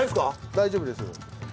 大丈夫です。